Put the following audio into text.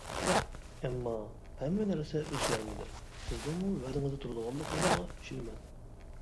ئەمما، ھەممە نەرسە ئۆزگەرمىدى، سىزنىڭمۇ ۋەدىڭىزدە تۇرىدىغانلىقىڭىزغا ئىشىنىمەن.